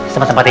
sama tempat ini